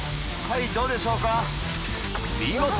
はいどうでしょうか？